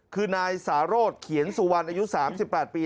คือนายสารดเขียนสุวรรณอายุสามสิบแปดปี